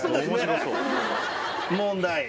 問題。